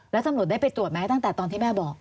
แล้วตำรวจได้ไปตรวจไหมตั้งแต่ตอนที่แม่บอก